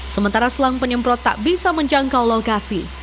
sementara selang penyemprot tak bisa menjangkau lokasi